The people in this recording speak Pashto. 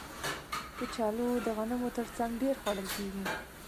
کچالو د غنمو تر څنګ ډېر خوړل کېږي